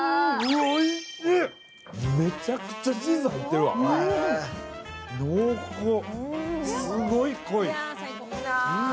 めちゃくちゃチーズ入ってるわ、すごい濃い。